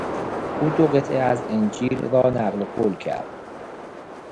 او دو قطعه از انجیل را نقل قول کرد.